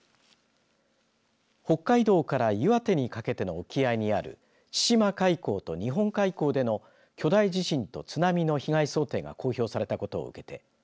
北海道から岩手にかけての沖合にある千島海溝と日本海溝での巨大地震と津波の被害想定が公表されたことを受け